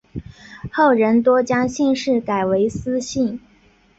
后人多将姓氏改为司姓。